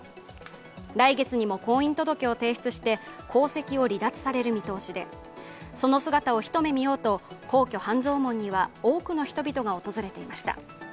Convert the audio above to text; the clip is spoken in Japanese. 来月にも婚姻届を提出して、皇籍を離脱される見通しでその姿を一目見ようと皇居半蔵門には多くの人々が訪れていました。